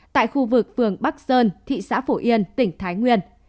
tại khu vực phường bắc sơn thị xã phổ yên tỉnh thái nguyên